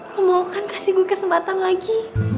lo mau kan kasih gue kesempatan lagi